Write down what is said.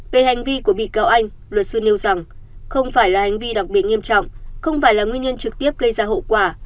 về hành vi của bị cáo anh luật sư nêu rằng không phải là hành vi đặc biệt nghiêm trọng không phải là nguyên nhân trực tiếp gây ra hậu quả